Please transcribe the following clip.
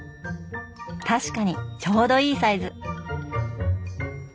確かにちょうどいいサイズ！